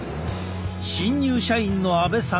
新入社員の阿部さん。